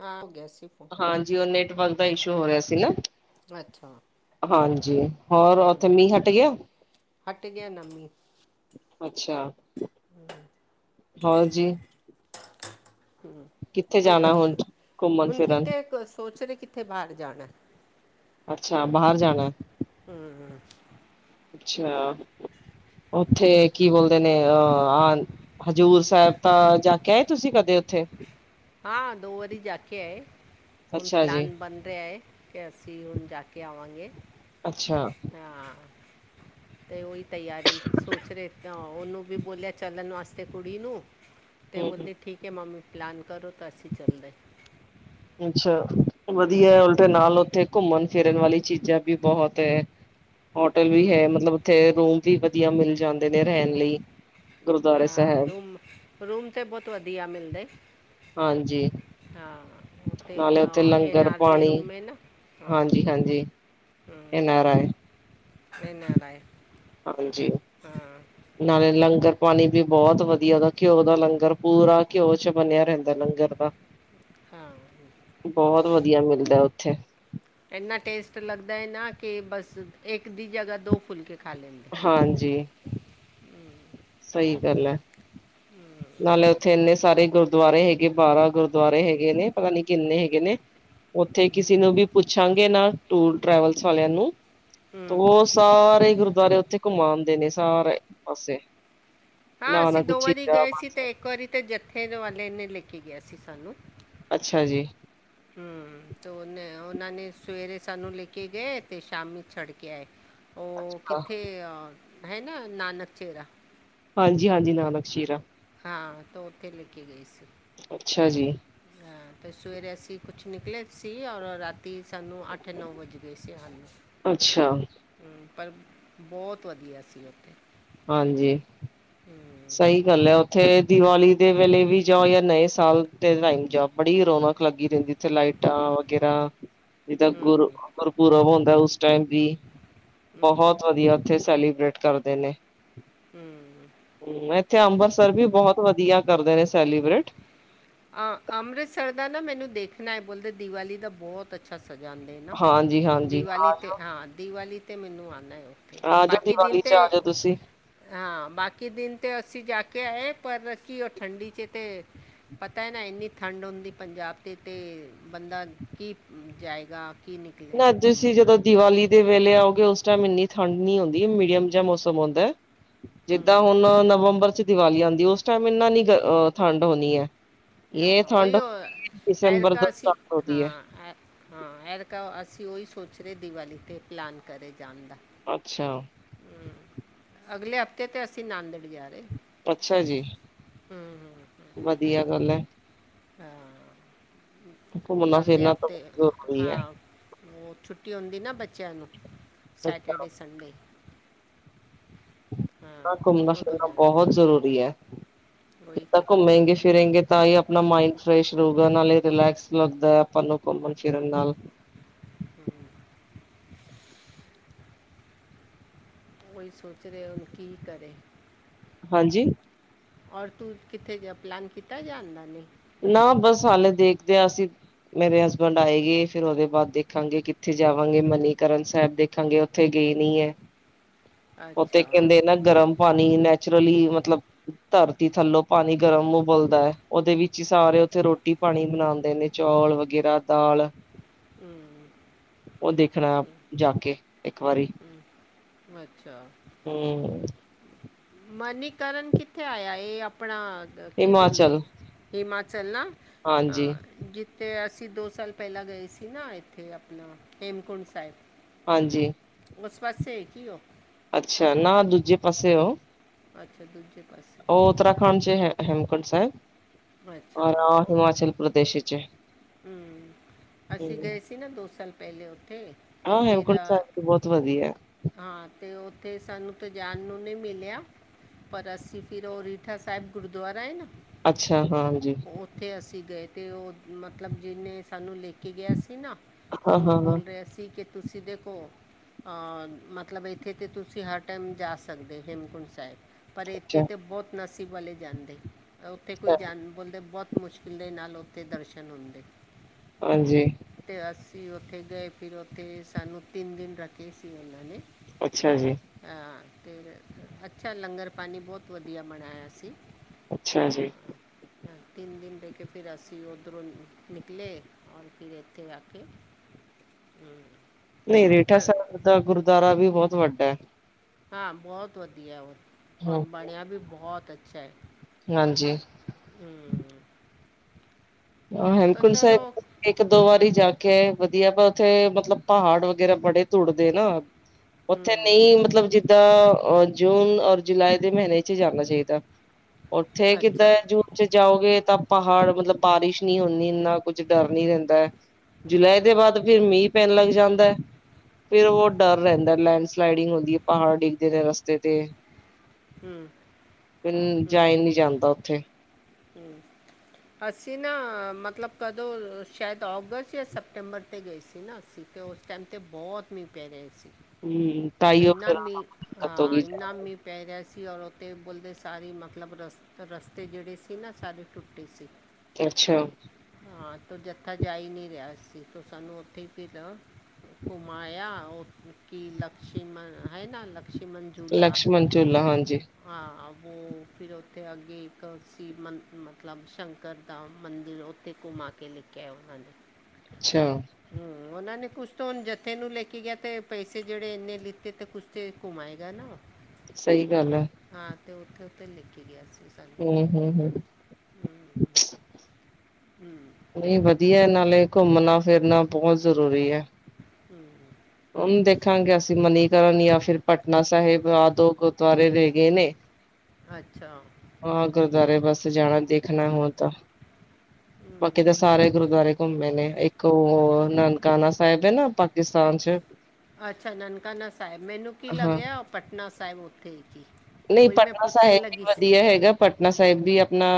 ਹਾਂ ਗਿਆ ਸੀਂ ਫੋਨ। ਹਾਂਜੀ ਉਹ ਨੈਟਬੰਦ ਦਾਂ ਇਸੂ ਹੋ ਰਿਹਾਂ ਸੀ ਨਾ। ਅੱਛਾ। ਹਾਂਜੀ, ਹੋਰ ਓਥੇ ਮੀਂਹ ਹੱਟ ਗਿਆ। ਅੱਛਾ, ਹੋਰ ਜੀ। ਹੁੰ, ਕਿੱਥੇ ਤੂੰ ਜਾਣਾ ਦੱਸ, ਹੁਣ ਘੁੰਮਣ ਹੁਣ ਫਿਰਨ ਕਿਥੇ ਸੋਚ ਰਹੇ ਕਿੱਥੇ ਬਾਹਰ ਜਾਣਾ ਐ? ਅੱਛਾ ਬਾਹਰ ਜਾਣਾ ਐ। ਹੂੰ ਹੂੰ। ਅੱਛਾ ਉੱਥੇ ਕੀ ਬੋਲਦੇ ਨੇ ਅ ਆ ਹਜ਼ੂਰ ਸਾਹਿਬ ਤਾਂ ਜਾਂਕੇ ਆਏ ਤੁਸੀਂ ਕਦੇ ਉੱਥੇ? ਹਾਂ ਦੋ ਵਾਰੀ ਜਾਂ ਕੇ ਆਏ, ਹੁਣ ਅੱਛਾ ਜੀ ਪਲਾਨ ਬਣ ਰਿਆ ਐ। ਕੋ ਅਸੀਂ ਹੁਣ ਜਾ ਕੇ ਆਵਾਂਗੇ। ਅੱਛਾ। ਪਿਆ ਤੇ ਓਈ ਤਿਆਰੀ ਸੋਚ ਰੇ ਉਨੂੰ ਵੀ ਬੋਲਿਆ ਚੱਲਣ ਵਾਸਤੇ ਕੁੜੀ ਨੂੰ, ਤੇ ਹੂੰ ਬੋਲਦੀ ਠੀਕ ਐ ਮਾਮੀ ਪਲਾਨ। ਤਦੋਂ ਤਾਂ ਅਸੀਂ ਚੱਲਨਾ ਐ। ਅੱਛਾ, ਵਧੀਆ ਉਦੇਂ ਨਾਲ ਉੱਥੇ ਘੁੰਮਣ। ਫਿਰਨ ਵਾਲੀ ਚੀਜ਼ਾਂ ਵੀ ਬਹੁਤ ਐ, ਹੋਟਲ ਵੀ ਐ ਹੂੰ ਮਤਲਬ ਥੇ ਰੂਮ ਵੀ ਵਦੀਆਂ ਮਿਲ ਜਾਂਦੇ ਨੇ ਰਹਿਣ ਲਈ। ਗੁਰਦੁਆਰੇ ਯਾਰ ਸਾਹਿਬ ਰੂਮ ਰੂਮ ਤਾਂ ਬਹੁਤ ਵਧੀਆਂ ਮਿਲਦੇ ਐ। ਹਾਂਜੀ ਹਾਂ। ਉੱਤੇ ਨਾਲੇ ਤਾਂ ਉਥੇ ਐਨ ਲੰਗਰ ਆਰ ਦੇ ਪਾਣੀ ਰੂਮ ਹੈ ਨਾ ਹਾਂ ਹਾਂਜੀ -ਹਾਂਜੀ ਐਨ ਆਰ ਆਏ। ਐਨ ਆਰ ਆਏ। ਹਾਂਜੀ। ਨਾਲੇ ਲੰਗਰ ਪਾਣੀ ਵੀ ਬਹੁਤ ਵਧੀਆ ਘਿਓ ਦਾ ਲੰਗਰ ਪੂਰਾ ਘਿਓ ਚ ਬਣਿਆ ਰੇ। ਲੰਗਰ ਦਾਂ ਬਹੁਤ ਵਧੀਆਂ ਮਿਲਦਾ ਉੱਥੇ। ਐਨਾ ਟੇਸਟ ਲਗਦਾ ਐ ਨਾਂ ਕੋ ਬਸ ਇੱਕ ਦੀ ਜਗ੍ਹਾ ਦੋ ਫੁਲਕੇ ਖਾ ਲੈਂਣ। ਹਾਂਜੀ। ਸਹੀ ਗੱਲ ਐ ਨਾਲੇ ਉੱਥੇ ਇੰਨੇ ਸਾਰੇ ਗੁਰ ਗੁਰਦੁਆਰੇ ਹੈਗੇ ਬਾਰਾਂ ਗੁਰਦੁਆਰੇ ਹੈਗੇ ਨੇ ਪਤਾ ਨੀ ਕਿੰਨੇ ਹੈਗੇ ਨੇ। ਉੱਥੇ ਕਿਸੇ ਨੂੰ ਵੀ ਪੁੱਛਾਂ ਗੇ ਨਾ ਟੂਰ ਟਰੈਵਲ ਵਾਲਿਆਂ ਨੂੰ। ਤੇ ਸਾਰੇ ਗੁਰਦੁਆਰੇ ਉੱਥੇ ਘੁੰਮਾਦੇ ਨੇ ਸਾਰੇ ਪਾਸੇ। ਹਾਂ ਅਸੀਂ ਨਾਨਕ ਦੋ ਵਾਰੀ ਚੀਰਾ ਗਏ ਸੀ ਪਾਸੇ ਤੇ ਇੱਕ ਵਾਰੀ ਤਾਂ ਜੱਥੇ ਵਾਲੇ ਨੇ ਲੈ ਕੇ ਗਿਆ ਸੀ ਸਾਨੂੰ। ਅੱਛਾ ਜੀ। ਹੂੰ। ਤੋ ਉਨੇ ਉਹਨਾਂ ਨੇ ਸਵੇਰੇ ਸਾਨੂੰ ਲੈ ਕੇ ਗਏ ਤੇ ਸ਼ਾਮ ਨੂੰ ਛੱਡ ਕੇ ਆਏ। ਉਹ ਹਾਂ ਕਿੱਥੇ ਆ ਹੈ ਨਾ ਨਾਨਕ ਚੀਰਾ ਹਾਂਜੀ-ਹਾਂਜੀ ਨਾਨਕ ਚੀਰਾ ਹਾਂ ਤਾਂ ਉਥੇ ਲੈ ਕੇ ਗਏ ਸੀ। ਅੱਛਾ ਜੀ। ਹਾਂ ਤੇ ਸਵੇਰੇ ਸੀ ਕੁਛ ਨਿਕਲੇ ਸੀ ਔਰ ਰਾਤੀ ਤੇ ਸਾਨੂੰ ਅੱਠ ਨੌਂ ਵੱਜ ਗਏ ਸੀ ਆਨ ਨੂੰ ਅੱਛਾ ਪਰ ਬਹੁਤ ਵਧੀਆ ਸੀ ਉਥੇ ਹਾਂਜੀ ਸਹੀ ਗੱਲ ਹੈ ਉਥੇ ਦੀਵਾਲੀ ਦੇ ਵੇਲੇ ਵੀ ਜਾਓ ਜਾਂ ਨਵੇਂ ਸਾਲ ਦੇ ਟਾਈਮ ਜਾਓ। ਬੜੀ ਰੌਣਕ ਲੱਗੀ ਰਹਿੰਦੀ। ਥੇ ਲਾਈਟਾਂ ਵਗੈਰਾ ਜਿੱਦਾਂ ਹੂੰ ਗੁਰ ਗੁਰਪੁਰਬ ਹੁੰਦਾ ਉਸ ਟੈਮ ਵੀ ਬਹੁਤ ਵਧੀਆ ਉਥੇ ਸੈਲੀਬ੍ਰੇਟ ਕਰਦੇ ਨੇ। ਹੂੰ ਹੂੰ ਇੱਥੇ ਅੰਬਰਸਰ ਵੀ ਬਹੁਤ ਵਧੀਆ ਕਰਦੇ ਨੇ ਸੈਲੀਬ੍ਰੇਟ ਆ ਅੰਮ੍ਰਿਤਸਰ ਦਾ ਨਾ ਮੈਨੂੰ ਦੇਖਣਾ ਹੈ ਬੋਲਦੇ ਦੀਵਾਲੀ ਦਾ ਬਹੁਤ ਬਹੁਤ ਅੱਛਾ ਸਜਾਂਦੇ ਨਾ ਹਾਂਜੀ-ਹਾਂਜੀ। ਦੀਵਾਲੀ ਤੇ ਹਾਂ ਦੀਵਾਲੀ ਤੇ ਮੈਨੂ ਆਣਾ ਏ। ਆ ਜਾਓ ਬਾਕੀ ਦਿਨ ਦੀਵਾਲੀ ਚ ਤੇ ਆ ਜਾਓ ਤੁਸੀਂ। ਹਾਂ ਬਾਕੀ ਦਿਨ ਤੇ ਅਸੀਂ ਜਾ ਕੇ ਆਏ ਪਰ ਕੀ ਉਹ ਠੰਡੀ 'ਚ ਤੇ ਪਤਾ ਹੈ ਨਾ ਇੰਨੀ ਠੰਡ ਹੁੰਦੀ ਪੰਜਾਬ ਤੇ-ਤੇ ਬੰਦਾ ਕੀ ਜਾਏਗਾ। ਕੀ ਨਿਕਲੇ ਨਾ ਤੁਸੀਂ ਘੁੰਮੇਗਾ ਜਦੋਂ ਦੀਵਾਲੀ ਦੇ ਵੇਲੇ ਆਓਗੇ ਉਸ ਟਾਈਮ ਇੰਨੀ ਠੰਡ ਨੀ ਆਉਂਦੀ ਮੀਡੀਅਮ ਜਿਹਾ ਮੌਸਮ ਹੁੰਦਾ। ਹੂੰ ਜਿੱਦਾਂ ਹੁਣ ਨਵੰਬਰ 'ਚ ਦੀਵਾਲੀ ਆਉਂਦੀ ਉਸ ਟਾਈਮ ਇੰਨਾ ਨੀ ਠੰਢ ਹੋਣੀ ਏ। ਉਹੀਓ ਐਰਿਕਾ ਤੋਂ ਅਸੀ ਸਟਾਰਟ ਹੋਦੀ ਹਾਂ ਹੈ ਆ ਹਾਂ ਐਰਕਾਂ ਅਸੀਂ ਉਹੀ ਸੋਚ ਰਹੇ ਦੀਵਾਲੀ ਤੇ ਪਲਾਨ ਕਰੇ ਜਾਣ ਦਾ ਅੱਛਾ ਅਗਲੇ ਹਫ਼ਤੇ ਤਾਂ ਅਸੀਂ ਨੰਦੇੜ ਜਾ ਰਹੇ। ਅੱਛਾ ਜੀ ਹੂੰ ਹੂੰ, ਵਧੀਆ ਗੱਲ ਹੈ। ਹਾਂ ਘੁੰਮਣਾ ਅਗਲੇ ਫਿਰਨਾ ਤਾਂ ਹਫ਼ਤੇ ਜ਼ਰੂਰੀ ਹੈ। ਹਾਂ। ਉਹ ਛੁੱਟੀ ਹੁੰਦੀ ਨਾ ਬੱਚਿਆਂ ਨੂੰ ਸੈਟਰਡੇ ਸੰਡੇ ਹਾਂ ਘੁੰਮਣਾ ਉਦੋਂ ਫਿਰਨਾ ਜਾਣ ਬਹੁਤ ਜ਼ਰੂਰੀ ਹੈ ਉਹੀ ਜਿੱਦਾਂ ਤੇ ਘੁੰਮੇਗੇ ਫਿਰੇਗੇੇ। ਤਾਂ ਹੀ ਆਪਣਾ ਮਾਇੰਡ ਫਰੈਸ਼ ਰਹੋਗਾ ਨਾਲੇ ਰਿਲੈਕਸ ਲੱਗਦਾ ਹੈ ਆਪਾਂ ਨੂੰ ਘੁੰਮਣ ਫਿਰਨ ਨਾਲ ਹੂੰ ਉਹੀ ਸੋਚ ਰਹੇ ਉ ਕੀ ਕਰੇ। ਹਾਂਜੀ ਔਰ ਤੂੰ ਕਿਥੇ ਗਿਆ ਪਲੈਨ ਕੀਤਾ ਜਾਣ ਦਾ ਨਹੀਂ। ਨਾ ਬਸ ਹਲੇ ਦੇਖਦੇ ਹਾਂ ਅਸੀਂ ਮੇਰੇ ਹਸਬੈਂਡ ਆਏ ਗੇ ਫਿਰ ਉਹਦੇ ਬਾਅਦ ਦੇਖਾਂਗੇ ਕਿੱਥੇ ਜਾਵਾਂਗੇ ਮਨੀਕਰਨ ਸਾਹਿਬ ਦੇ ਗੇ ਉੱਥੇ ਗਏ ਨਹੀਂ ਏ। ਉਥੇ ਅੱਛਾ ਕਹਿੰਦੇ ਨਾ ਗਰਮ ਪਾਣੀ ਨੈਚੁਰਲੀ ਮਤਲਬ ਧਰਤੀ ਥੱਲੋਂ ਪਾਣੀ ਗਰਮ ਉਬਲਦਾ ਹੈ ਉਹਦੇ ਵਿੱਚ ਹੀ ਸਾਰੇ ਉਥੇ ਰੋਟੀ ਰੋਟੀ ਪਾਣੀ ਬਣਾਂਦੇ ਨੇ ਚੌਲ ਵਗੈਰਾ ਦਾਲ ਹੂੰ ਉਹ ਦੇਖਣਾ ਜਾ ਕੇ ਇੱਕ ਵਾਰੀ ਅੱਛਾ ਹੂੰ ਮਨੀਕਰਨ ਕਿੱਥੇ ਆਇਆ ਆਪਣਾ ਕੀ ਬੋਲਦੇ ਹਿਮਾਚਲ ਹਿਮਾਚਲ ਨਾ ਹਾਂਜੀ ਜਿੱ ਤੇ ਅਸੀਂ ਦੋ ਸਾਲ ਪਹਿਲਾਂ ਗਏ ਸੀ ਨਾ ਇੱਥੇ ਆਪਣਾ ਹੇਮਕੁੰਡ ਸਾਹਿਬ। ਹਾਂਜੀ ਉਸ ਪਾਸੇ ਹੀ ਕੀ ਉਹ ਅੱਛਾ ਨਾ ਦੂਜੇ ਪਾਸੇ ਉਹ ਅੱਛਾ, ਦੂਜੇ ਪਾਸੇ। ਉਹ ਉਤਰਾਖੰਡ ਚ ਹੈ ਹੈਮਕੁੰਡ ਸਾਹਿਬ ਅੱਛਾ ਔਰ ਹਿਮਾਚਲ ਪ੍ਰਦੇਸ਼ ਵਿਚ ਹੈ। ਹਮ ਅਸੀਂ ਹਮ ਗਏ ਸੀ ਨਾ ਦੋ ਸਾਲ ਪਹਿਲੇ ਉੱਥੇ। ਤੇ ਆਹੋ ਫਿਰ ਹੈਵਕੁੰਡ ਅ, ਸਾਹਿਬ ਵੀ ਬਹੁਤ ਵਧੀਆ। ਹਾਂ ਤੇ ਉੱਥੇ ਸਾਨੂੰ ਤਾਂ ਜਾਣ ਨੂੰ ਨਹੀਂ ਮਿਲਿਆ। ਪਰ ਅਸੀਂ ਫਿਰ ਉਹ ਰੀਠਾ ਸਾਹਿਬ ਗੁਰਦੁਆਰਾ ਹੈ ਨਾ। ਅੱਛਾ, ਹਾਂਜੀ। ਉੱਥੇ ਅਸੀਂ ਗਏ ਅਤੇ ਉਹ ਮਤਲਬ ਜਿਹਨੇ ਸਾਨੂੰ ਲੈ ਕੇ ਗਿਆ ਸੀ ਨਾ। ਹਾਂ ਉਹ ਹਾਂ ਹਾਂ ਬੋਲ ਰਿਹਾ ਸੀ ਕਿ ਤੁਸੀਂ ਦੇਖੋ ਹਾਂ। ਮਤਲਬ ਇੱਥੇ ਤਾਂ ਤੁਸੀਂ ਹਰ ਟਾਈਮ ਜਾ ਸਕਦੇ ਹੇਮਕੁੰਟ ਸਾਹਿਬ ਪਰ ਇੱਥੇ ਅੱਛਾ ਤੇ ਬਹੁਤ। ਨਾਸੀਬ ਵਾਲੇ ਜਾਂਦੇ ਉੱਥੇ ਕੋਈ ਅੱਛਾ, ਜਾਣ। ਬੋਲਦੇ ਬਹੁਤ ਮੁਸ਼ਕਿਲ ਦੇ ਨਾਲ ਉੱਥੇ ਦਰਸ਼ਨ ਹੁੰਦੇ। ਹਾਂਜੀ। ਅਤੇ ਅਸੀਂ ਉੱਥੇ ਗਏ ਫਿਰ ਉੱਥੇ ਸਾਨੂੰ ਤਿੰਨ ਦਿਨ ਰੱਖੇ ਸੀ। ਉਹਨਾਂ ਨੇ ਅੱਛਾ ਜੀ। ਹਾਂ ਅਤੇ ਅੱਛਾ ਲੰਗਰ ਪਾਣੀ ਬਹੁਤ ਵਧੀਆ ਬਣਾਇਆ ਸੀ। ਅੱਛਾ ਜੀ। ਤਿੰਨ ਦਿਨ ਰਹਿ ਕੇ ਫਿਰ ਅਸੀਂ ਉੱਧਰੋਂ ਨਿਕਲੇ ਔਰ ਫਿਰ ਇੱਥੇ ਆ ਕੇ। ਨਹੀਂ ਰੀਠਾ ਪਰ ਸਾਹਿਬ ਦਾ ਗੁਰਦੁਆਰਾ ਵੀ ਬਹੁਤ ਵੱਡਾ ਹੈ। ਹਾਂ, ਬਹੁਤ ਵਧੀਆ ਉਹ ਔਰ ਹੂੰ, ਬਣਿਆ ਵੀ ਬਹੁਤ ਅੱਛਾ ਹੈ। ਹਾਂਜੀ। ਹਮ। ਆ ਤਾਂ ਹੇਮਕੁੰਟ ਚਲੋ ਸਾਹਿਬ। ਇੱਕ ਦੋ ਵਾਰੀ ਜਾ ਕੇ ਆਏ ਵਧੀਆ ਪਰ ਉੱਥੇ ਮਤਲਬ ਪਹਾੜ ਵਗੈਰਾ ਬੜੇ ਟੁੱਟਦੇ ਨਾ। ਉੱਥੇ ਹਮ, ਨਹੀਂ ਮਤਲਬ ਜਿੱਦਾਂ ਅ ਜੂਨ ਔਰ ਜੁਲਾਈ ਦੇ ਮਹੀਨੇ ਚ ਜਾਣਾ ਚਾਹੀਦਾ। ਉੱਥੇ ਕਿੱਦਾਂ ਅੱਛਾ ਜੂਨ ਚ ਜਾਓਗੇ ਤਾਂ ਪਹਾੜ ਮਤਲਬ। ਬਾਰਿਸ਼ ਨਹੀਂ ਹੁੰਨੀ ਇੰਨਾ ਕੁੱਝ ਡਰ ਨੀ ਰਹਿੰਦਾ ਜੁਲਾਈ ਦੇ ਹਮ, ਬਾਅਦ। ਫੇਰ ਮੀਂਹ ਪੈਣ ਲੱਗ ਜਾਂਦਾ। ਫੇਰ ਬਹੁਤ ਡਰ ਰਹਿੰਦਾ ਲੈਂਡਸਲਾਈਡਿੰਗ ਹੁੰਦੀ ਹੈ ਪਹਾੜ ਡਿੱਗਦੇ ਨੇ ਰਸਤੇ ਤੇ। ਫਿਰ ਜਾਈ ਨਹੀਂ ਜਾਂਦਾ ਉੱਥੇ। ਹੂੰ ਅਸੀਂ ਨਾ ਮਤਲਬ ਕਦੋਂ ਸ਼ਾਇਦ ਅਗਸਤ ਜਾਂ ਸੈਪਟੈਂਬਰ 'ਤੇ ਗਏ ਸੀ ਨਾ ਅਸੀਂ ਤੇ ਉਹ। ਉਸ ਟਾਈਮ 'ਤੇ ਬਹੁਤ ਮੀਂਹ ਪਿਆ ਰਿਹਾ ਸੀ। ਹਮ ਇਨਾ ਮੀਹ ਹਾ ਇਨਾ ਮੀਹ। ਪੈ ਰਿਹਾ ਸੀ ਔਰ ਉਥੇ ਪੁੱਲ ਦੇ ਸਾਰੀ ਮਤਲਬ ਰਸ ਰਸਤੇ ਜਿਹੜੇ ਸੀ ਨਾ ਸਾਰੇ ਟੁੱਟੇ ਸੀ। ਅੱਛਾ ਹਾਂ ਤੋ ਜਥਾ ਜਾ ਈ ਨਹੀ ਰਿਹਾ ਸੀ ਤੂੰ ਸਾਨੂੰ ਉੱਥੇ ਹੀ ਫਿਰ। ਘੁਮਾਇਆ ਕੀ ਲਕਸ਼ਮਣ ਹੈ ਨਾ ਲਕਸ਼ਮਣ। ਝੂਲਾ ਲਕਸ਼ਮਣ ਝੂਲਾ ਹਾਂਜੀ। ਹਾਂ ਵੋ ਫਿਰ ਉੱਥੇ ਅੱਗੇ ਇੱਕ ਸੀ ਮਤਲਬ ਸ਼ੰਕਰ ਦਾ ਮੰਦਿਰ। ਫਿਰ ਘੁੰਮਾ ਕੇ ਲੇ ਕੇ ਆਏ ਉਹਨਾਂ ਨੇ। ਅੱਛਾ ਹਾਂ ਉਹਨਾਂ ਨੇ ਕੁਛ ਤੋਂ ਹੁਣ ਜੱਥੇ ਨੂੰ ਲੈ ਕੇ ਗਿਆ, ਤੇ ਪੈਸੇ ਜਿਹੜੇ। ਤੇ ਇੰਨੇ ਲਿੱਤੇ ਤੇ ਕੁਛ ਤੇ ਘੁੰਮਾਏਗਾ ਨਾ। ਸਹੀ ਗੱਲ ਹੈ। ਹਾਂ ਤੇ ਉੱਥੇ ਉੱਥੇ ਲੇ ਕੇ ਗਿਆ ਸੀ ਸਾਨੂੰ। ਹ ਹ ਹ। ਹਮ ਹਮ ਨਹੀਂ ਵਧੀਆ ਨਾਲੇ ਘੁੰਮਣਾ-ਫਿਰਨਾ ਬਹੁਤ ਜ਼ਰੂਰੀ ਹੈ। ਹੂੰ ਉਹਨੂੰ ਦੇਖਾਂਗੇ ਅਸੀਂ ਮਨੀਕਰਨ ਜਾਂ ਫਿਰ ਪਟਨਾ ਸਾਹਿਬ ਆ ਦੋ ਗੁਰਦੁਆਰੇ ਰਹਿ ਗਏ ਨੇ। [inaudible] ਅੱਛਾ ਹਾਂ ਗੁਰਦੁਆਰੇ ਬੱਸ ਜਾਣਾ ਦੇਖਣਾ ਹੁਣ। ਬਾਕੀ ਤਾਂ ਸਾਰੇ ਗੁਰਦੁਆਰੇ ਘੁੰਮੇ ਨੇ ਇੱਕ ਉਹ ਨਾਨਕ ਨਨਕਾਣਾ ਸਾਹਿਬ ਹੈ ਨਾ ਪਾਕਿਸਤਾਨ ਚ। ਅੱਛਾ ਨਨਕਾਣਾ ਸਾਹਿਬ ਮੈਨੂੰ ਕੀ ਹਾਂ ਲੱਗਿਆ ਪਟਨਾ ਸਾਹਿਬ ਉੱਥੇ ਕੀ। ਨਹੀਂ ਉਹੀ ਮੈਂ ਪਟਨਾ ਪੁੱਛਣ ਸਾਹਿਬ ਵੀ ਲੱਗੀ ਸੀ ਵਧੀਆ ਹੈਗਾ। ਪਟਨਾ ਸਾਹਿਬ ਵੀ ਆਪਣਾ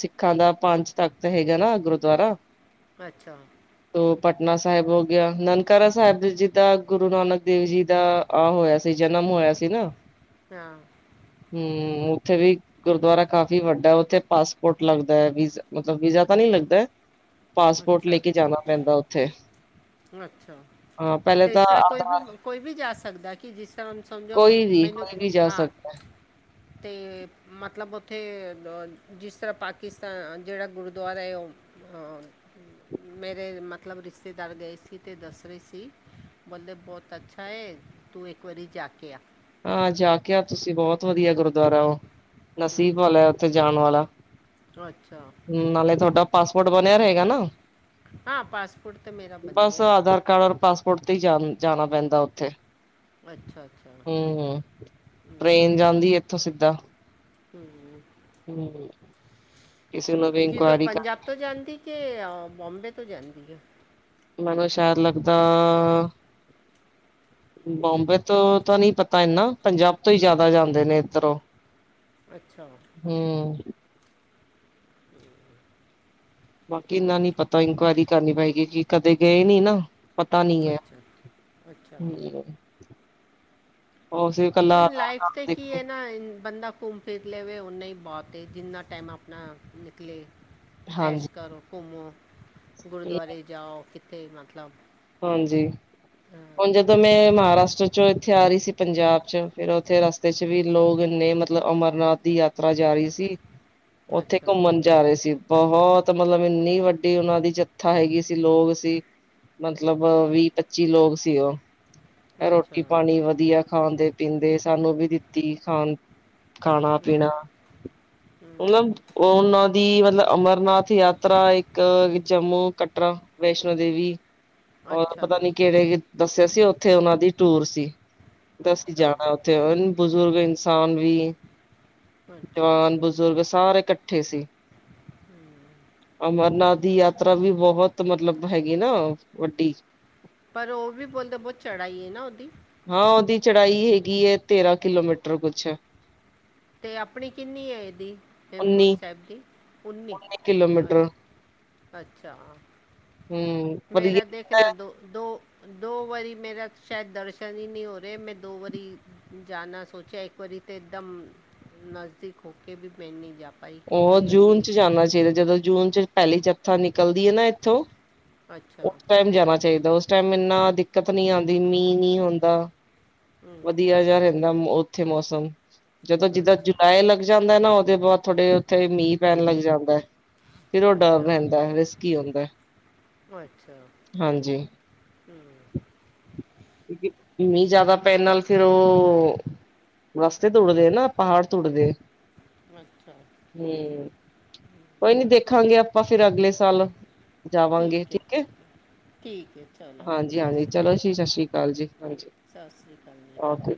ਸਿੱਖਾਂ ਦਾ ਪੰਜ ਤਖ਼ਤ ਹੈਗਾ ਨਾ ਗੁਰਦੁਆਰਾ। ਅੱਛਾ ਤੋ ਪਟਨਾ ਸਾਹਿਬ ਹੋ ਗਿਆ ਨਨਕਾਰਾ ਸਾਹਿਬ ਜਿੱਦਾਂ ਗੁਰੂ ਨਾਨਕ ਦੇਵ ਜੀ ਦਾ ਆਹ ਹੋਇਆ ਸੀ ਜਨਮ ਹੋਇਆ ਸੀ ਨਾ। ਹਾਂ ਹੂੰ ਉੱਥੇ ਵੀ ਗੁਰਦੁਆਰਾ ਕਾਫੀ ਵੱਡਾ ਉੱਥੇ ਪਾਸਪੋਰਟ ਲੱਗਦਾ ਏ ਮਤਲਬ ਵੀਜ਼ਾ ਤਾਂ ਨੀ ਲੱਗਦਾ। ਪਾਸਪੋਰਟ ਲੈ ਅੱਛਾ ਕੇ ਜਾਣਾ ਪੈਂਦਾ ਉੱਥੇ। ਅੱਛਾ, ਹਾਂ ਪਹਿਲੇ ਤੇ ਇਸ ਤਾਂ ਤਰ੍ਹਾਂ ਕੋਈ ਵੀ ਆਧਾਰ ਕੋਈ ਵੀ ਜਾ ਸਕਦਾ? ਕਿ ਜਿਸ ਤਰ੍ਹਾਂ ਸਮਝੋ ਕੋਈ ਵੀ ਮੈਨੂੰ ਕੋਈ ਵੀ ਜਾ ਹਾਂ ਸਕਦਾ ਤੇ ਮਤਲਬ ਉੱਥੇ ਜਿਸ ਤਰ੍ਹਾਂ ਪਾਕਿਸਤਾਨ ਜਿਹੜਾ ਗੁਰਦੁਆਰਾ ਹੈ ਉਹ ਹਾਂ, ਮੇਰੇ ਮਤਲਬ ਰਿਸ਼ਤੇ ਦਾਰਾ ਦੇ ਆਏ ਸੀ ਅਤੇ ਦੱਸ ਰਹੇ ਸੀ, ਬੋਲਦੇ ਬਹੁਤ ਅੱਛਾ ਏ ਤੂੰ ਇੱਕ ਵਾਰੀ ਜਾ ਕੇ ਆ। ਹਾਂ ਜਾ ਕੇ ਆਓ ਤੁਸੀਂ ਬਹੁਤ ਵਧੀਆ ਗੁਰਦੁਆਰਾ ਉਹ। ਨਸੀਬ ਵਾਲਾ ਏ ਉੱਥੇ ਜਾਣ ਵਾਲਾ। ਅੱਛਾ ਨਾਲੇ ਤੁਹਾਡਾ ਪਾਸਪੋਰਟ ਬਣਿਆ ਰਹੇਗਾ ਨਾ। ਹਾਂ ਪਾਸਪੋਰਟ ਤੇ ਮੇਰਾ ਬਣ ਬਸ ਗਿਆ ਆਧਾਰ ਕਾਰਡ ਔਰ ਪਾਸਪੋਰਟ ਤੇ ਹੀ ਜਾ ਜਾਣਾ ਪੈਂਦਾ ਉੱਥੇ। ਅੱਛਾ-ਅੱਛਾ ਹੂੰ, ਟਰੇਨ ਜਾਂਦੀ ਹੈ ਇੱਥੋਂ ਸਿੱਧਾ। ਹੂੰ ਹੂੰ ਕਿਸੇ ਨੂੰ ਵੀ ਕਿਧਰੋ ਇਨਕੁਆਇਰੀ ਪੰਜਾਬ ਤੋਂ ਜਾਂਦੀ ਕਿ ਬੋਂਬੇ ਤੋਂ ਜਾਂਦੀ ਆ? ਮੈਨੂੰ ਸ਼ੈਰ ਲੱਗਦਾ ਬੋਂਬੇ ਤੋਂ ਤਾਂ ਨਹੀਂ ਪਤਾ ਇਨਾ ਪੰਜਾਬ ਤੋਂ ਹੀ ਜ਼ਿਆਦਾ ਜਾਂਦੇ ਨੇ ਇੱਧਰੋਂ। [inaudible] ਅੱਛਾ ਹੂੰ [unintelligible] ਬਾਕੀ ਇੰਨਾ ਨੀ ਪਤਾ ਇਨਕੁਆਇਰੀ ਕਰਨੀ ਪਏਗੀ ਕਿ ਕਦੇ ਗਏ ਨੀ ਨਾ। ਪਤਾ ਨੀ ਏ, ਅੱਛਾ ਅੱਛਾ ਹੂੰ ਉਹ ਅਸੀਂ ਹੁਣ ਲਾਈਫ ਤੇ ਕੀ ਏ ਨਾ ਬੰਦਾ ਘੁੰਮ ਫਿਰ ਲਵੇ ਉਨਾ ਹੀ ਬਹੁਤ ਏ ਜਿੰਨਾ ਟਾਈਮ ਆਪਣਾ ਨਿਕਲੇ। ਐਸ਼ ਹਾਂਜੀ ਕਰੋ, ਘੁੰਮੋ, ਗੁਰਦੁਆਰੇ ਜਾਓ ਕਿੱਥੇ ਮਤਲਬ ਹਾਂਜੀ ਹੁਣ ਜਦੋਂ ਮੈਂ ਮਹਾਰਾਸ਼ਟਰ ਚੋਂ ਇੱਥੇ ਆ ਰਹੀ ਸੀ ਪੰਜਾਬ 'ਚ ਫੇਰ ਉੱਥੇ ਰਸ ਤੇ 'ਚ ਵੀ ਲੋਕ ਇੰਨੇ ਮਤਲਬ ਅਮਰਨਾਥ ਦੀ ਯਾਤਰਾ ਜਾ ਰਹੀ ਸੀ ਉੱਥੇ ਅੱਛਾ ਘੁੰਮਣ ਜਾ ਰਹੇ ਸੀ। ਬਹੁਤ ਮਤਲਬ ਇੰਨੀ ਵੱਡੀ ਉਹਨਾਂ ਦੀ ਜਗਥਾ ਹੈਗੀ ਸੀ ਲੋਕ ਸੀ। ਮਤਲਬ ਵੀਹ-ਪੱਚੀ ਲੋਕ ਸੀ ਉਹ, ਅੱਛਾ ਰੋਟੀ ਪਾਣੀ ਵਧੀਆ ਖਾਂਦੇ ਪੀਂਦੇ ਸਾਨੂੰ ਵੀ ਦਿੱਤੀ ਖਾਣ, ਖਾਣਾ ਅੱਛਾ, -ਪੀਣਾ, ਹਮ, ਮਤਲਬ, ਉਹਨਾਂ ਦੀ ਮਤਲਬ ਅਮਰਨਾਥ ਯਾਤਰਾ ਇੱਕ ਜੰਮੂ ਕਟਰਾ ਵੈਸ਼ਨੋ ਦੇਵੀ, ਔਰ ਅੱਛਾ ਪਤਾ ਨੀ ਕਿਹੜੇ ਦੱਸਿਆ ਸੀ ਉੱਥੇ ਉਹਨਾ ਦੀ ਟੂਰ ਸੀ। ਦਾ ਅਸੀਂ ਅੱਛਾ ਜਾਣਾ ਉੱਥੇ, ਬਜ਼ੁਰਗ ਇਨਸਾਨ ਵੀ ਅੱਛਾ। ਜਵਾਨ ਬਜ਼ੁਰਗ ਸਾਰੇ ਇਕੱਠੇ ਸੀ। ਹੂੰ ਅਮਰਨਾਥ ਦੀ ਯਾਤਰਾ ਵੀ ਬਹੁਤ ਮਤਲਬ ਹੈਗੀ ਨਾ ਵੱਡੀ ਪਰ ਉਹ ਵੀ ਬੋਲਦੇ, ਬਹੁਤ ਚੜਾਈ ਨਾ ਉਹਦੀ ਹਾਂ ਉਹਦੀ ਚੜਾਈ ਹੈਗੀ ਹੈ ਤੇਰਾਂ ਕਿਲੋਮੀਟਰ ਕੁਛ ਅਤੇ ਆਪਣੀ ਕਿੰਨੀ ਹੈ ਇਹਦੀ, ਉੱਨੀ ਹੇਮਕੁੰਡ ਸਾਹਿਬ ਦੀ ਉੱਨੀ, ਅੱ ਅੱਛਾ ਹਮ ਪਰ ਇਹ -ਮੇਰਾ ਦੇਖ, ਨਾ ਦੋ ਦੋ ਦੋ ਵਾਰੀ ਮੇਰਾ ਸ਼ਾਇਦ ਦਰਸ਼ਨ ਹੀ ਨਹੀਂ ਹੋ ਰਹਾ ਮੈਂ ਦੋ ਵਾਰੀ ਜਾਨਾ ਸੋਚਿਆ ਇੱਕ ਵਾਰੀ ਤਾਂ ਇੱਕਦਮ, ਨਜ਼ਦੀਕ ਹੋ ਕੇ ਵੀ ਮੈਂ ਨਹੀਂ ਜਾ ਪਾ ਉਹ ਜੂਨ 'ਚ ਜਾਣਾ ਚਾਹੀਦਾ, ਜਦੋਂ ਜੂਨ ਚ ਪਹਿਲੀ ਜੱਥਾ ਨਿਕਲਦੀ ਹੈ ਨਾ ਇੱਥੋਂ ਉਸ ਟਾਈਮ ਜਾਣਾ ਚਾਹੀਦਾ, ਉਸ ਟਾਈਮ ਇੰਨਾ ਦਿੱਕਤ ਨ ਆਉਂਦੀ ਮੀਂਹ ਨਹੀਂ ਹੁੰਦਾ ਵਧੀਆ ਜਿਹਾ ਰਹਿੰਦਾ ਉੱਥੇ ਮੌਸਮ, ਜਦੋਂ ਜਿੱਦਾਂ ਜੁਲਾਈ ਲੱਗ ਜਾਂਦਾ ਨਾ ਉਹਦੇ ਬਾਅਦ ਥੋੜੇ ਉੱਥੇ ਮੀਂਹ ਪੈਣ ਲੱਗ ਜਾਂਦਾ ਹੈ। ਫਿਰ ਉਹ ਡਰ ਰਹਿੰਦਾ ਰਿਸਕੀ ਹੁੰਦਾ, ਹਾਂਜੀ ਹਮ। ਕਿ ਮੀਂਹ ਜਿਆਦਾ ਪੈਣ ਨਾਲ ਫੇਿਰ ਉਹ ਰਸਤੇ ਤ ਟੁੱਟਦੇ ਨਾ, ਪਹਾੜ ਤ ਟੁੱਟਦੇ ਅੱਛਾ। ਹਮ। ਕੋਈ ਨੀ ਦੇਖਾਂਗੇ ਆਪਾਂ ਫਿਰ ਅਗਲੇ ਸਾਲ, ਜਾਵਾਂਗੇ ਠੀਕ ਹੈ। ਹੈ ਚਲੋ ਹਾਂਜੀ ਸਤਿ ਹਾਂਜੀ ਸ੍ਰੀ ਚਲੋ ਅਕਾਲ ਜੀ ਸਤਿ ਸ੍ਰੀ ਅਕਾਲ ਜੀ, ਹਾਂਜੀ ਸਤਿ ਸ਼੍ਰੀ ਅਕਾਲ ਜੀ। ਓਕੇ